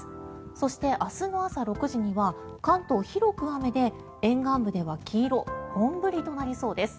そして、明日の朝６時には関東、広く雨で沿岸部では黄色本降りとなりそうです。